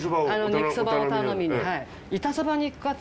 肉そばを頼みに。